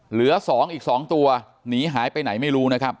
เหลือ๒อีก๒ตัวหนีหายไปไหนไม่รู้นะครับ